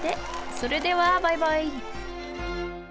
それではバイバイ！